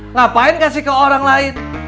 ngapain kasih ke orang lain